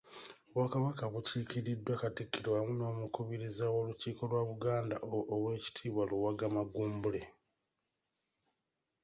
Obwakabaka bukiikiriddwa Katikkiro wamu n'omukubiriza w'Olukiiko lwa Buganda, Owekitiibwa Luwagga Mugumbule.